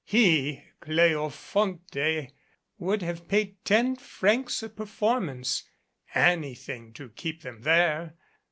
He, Cleofonte, would have paid ten francs a performance anything to keep them there.